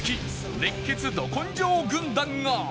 熱血ド根性軍団が